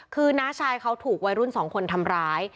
คือน้าชายเขาถูกวัยรุ่นสองคนทำร้าย